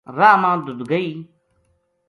راہ ما ددگئی